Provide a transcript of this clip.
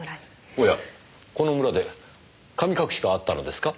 おやこの村で神隠しがあったのですか？